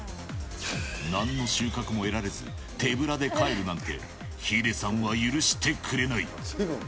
なんの収穫も得られず、手ぶらで帰るなんて、ヒデさんは許してくれない。